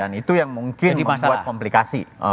dan itu yang mungkin membuat komplikasi